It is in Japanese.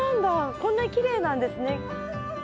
こんなきれいなんですね。